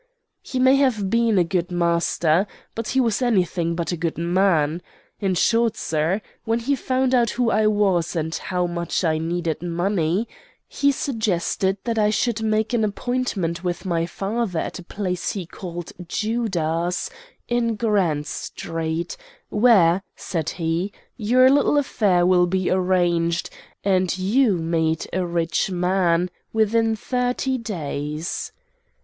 He may have been a good master, but he was anything but a good man, In short, sir, when he found out who I was, and how much I needed money, he suggested that I should make an appointment with my father at a place he called Judah's in Grand Street, where, said he, 'your little affair will be arranged, and you made a rich man within thirty days.